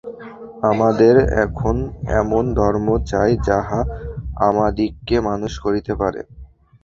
আমাদের এখন এমন ধর্ম চাই, যাহা আমাদিগকে মানুষ করিতে পারে।